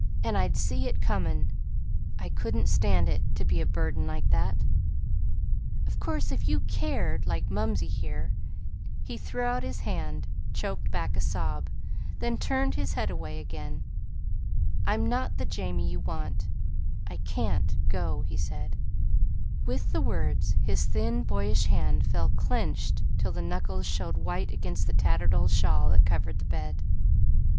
And I'd see it comin'. I couldn't stand it to be a burden like that. Of course, if you CARED like mumsey here " He threw out his hand, choked back a sob, then turned his head away again. "I'm not the Jamie you want. I can't go," he said. With the words his thin, boyish hand fell clenched till the knuckles showed white against the tattered old shawl that covered the bed.